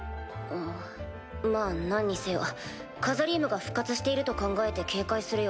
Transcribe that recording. まぁ何にせよカザリームが復活していると考えて警戒するよ。